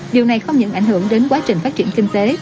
điều này không những ảnh hưởng đến quá trình phát triển kinh tế